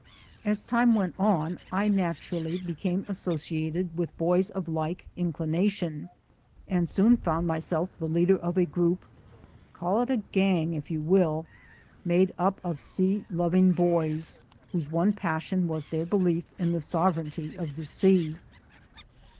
As time went on I naturally became associated 38 THE SOUL OF AN IMMIGRANT with boys of like inclination, and soon found myself the leader of a group, call it a "gang" if you will, made up of sea loving boys, whose one passion was their belief in the sovereignty of the sea.